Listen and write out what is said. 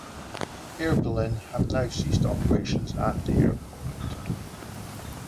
Air Berlin have now ceased operations at the airport.